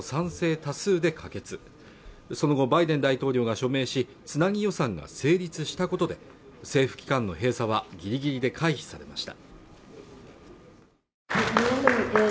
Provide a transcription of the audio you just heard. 多数で可決その後バイデン大統領が署名しつなぎ予算が成立したことで政府機関の閉鎖はギリギリで回避されました